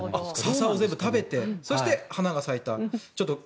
ササを全部食べてそして、花が咲いた。